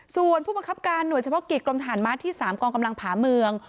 ส่วนผู้บังคับการหน่วยเฉพาะกิจกรมฐานม้าที่๓กองกำลังผาเมือง